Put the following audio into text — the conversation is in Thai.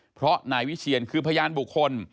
เพราะนายวิเชียนคือพยานบุคคล